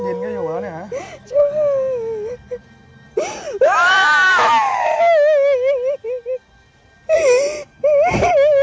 ออกไปนะเย็นก็อยู่แล้วเนี่ย